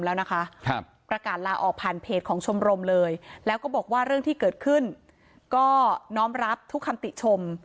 แล้วก็บอกว่าเรื่องที่เกิดขึ้นน้อมรับทุกคำติชมถูกเรื่องที่เกิดขึ้นน้อมรับทุกคำติชม